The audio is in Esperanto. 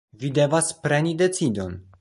Vi devas preni decidon.